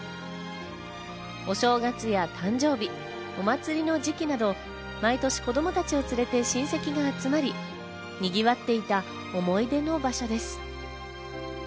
お正月や誕生日、お祭りの時期など毎年、子供たちを連れて親戚が集まり、にぎわっていた思い出の場所です。